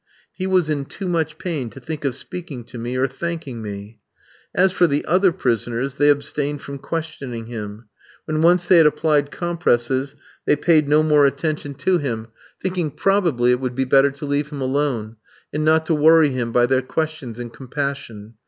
He was in too much pain to think of speaking to me or thanking me. As for the other prisoners, they abstained from questioning him; when once they had applied compresses they paid no more attention to him, thinking probably it would be better to leave him alone, and not to worry him by their questions and compassion.